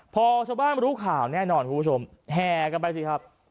พอชาวบ้านรู้ข่าวแน่นอนคุณผู้ชมแห่กันไปสิครับ